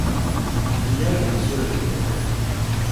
Village de Sologne.